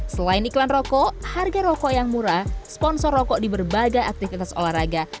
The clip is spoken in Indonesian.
selain iklan rokok harga rokok yang murah sponsor rokok di berbagai aktivitas olahraga